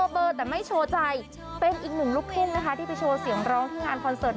ผมชอบให้น้องเพลงนี้นะคะเพลงของพี่หญิงดวงจันทร์สุวรรณี